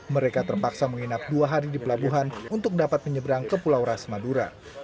mereka terpaksa menginap dua hari di pelabuhan untuk dapat menyeberang ke pulau ras madura